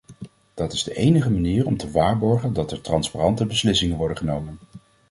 Dat is de enige manier om te waarborgen dat er transparante beslissingen worden genomen.